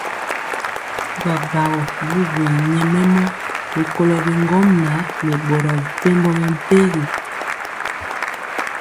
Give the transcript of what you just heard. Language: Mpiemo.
Bgabgagɔ bubuli nyɛmemɔ rikolo bi ŋgomnaŋ nɛ boro mepempɔ mɛmpegi.